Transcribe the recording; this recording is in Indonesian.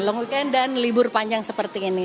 long weekend dan libur panjang seperti ini